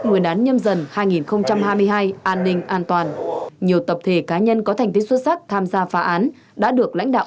nguyên án nhâm dần hai nghìn hai mươi hai an ninh an toàn nhiều tập thể cá nhân có thành tích xuất sắc tham gia phá án đã được lãnh đạo